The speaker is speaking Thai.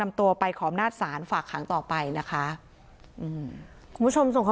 เมื่อนบ้างก็ยืนยันว่ามันเป็นแบบนั้นจริง